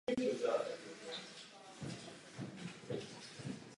Na vydání se obvykle čekalo dva až čtyři roky.